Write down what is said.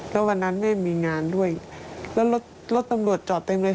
แล้ววันนั้นไม่มีงานด้วยแล้วรถรถตำรวจจอดเต็มเลย